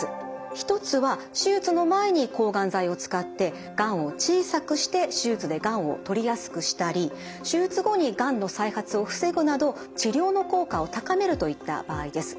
一つは手術の前に抗がん剤を使ってがんを小さくして手術でがんをとりやすくしたり手術後にがんの再発を防ぐなど治療の効果を高めるといった場合です。